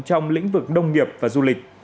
trong lĩnh vực đông nghiệp và du lịch